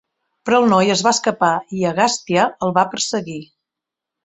Però el noi es va escapar i Agastia el va perseguir.